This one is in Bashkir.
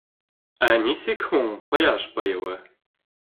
Ә нисек һуң ҡояш байыуы?